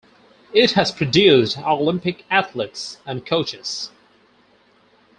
It has produced Olympic athletes and coaches.